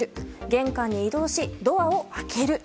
玄関に移動しドアを開ける。